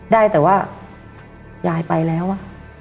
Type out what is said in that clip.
ได้แต่ว่ายายไปแล้วอ่ะ